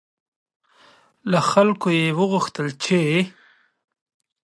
له خلکو یې وغوښتل چې